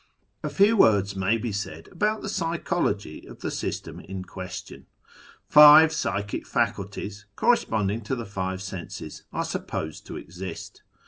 A few words may be said about the psychology of the system in question. Five psychic faculties (corresponding to the five senses) are supposed to exist.